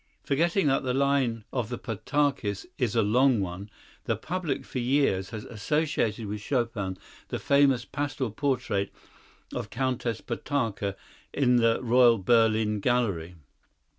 Forgetting that the line of the Potockis is a long one, the public for years has associated with Chopin the famous pastel portrait of Countess Potocka in the Royal Berlin Gallery.